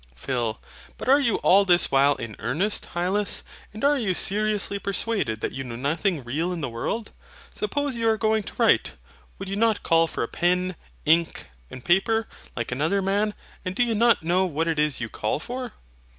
PHIL. But are you all this while in earnest, Hylas; and are you seriously persuaded that you know nothing real in the world? Suppose you are going to write, would you not call for pen, ink, and paper, like another man; and do you not know what it is you call for?